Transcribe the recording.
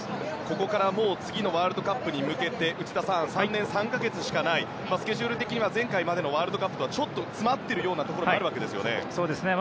ここから次のワールドカップに向けて内田さん、３年３か月しかないスケジュール的には前回までのワールドカップとは違ってちょっと詰まっているようなところがあるわけですよね。